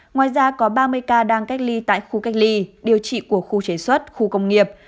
ngoài ra có ba mươi ca đang cách ly tại khu cách ly điều trị của khu chế xuất khu công nghiệp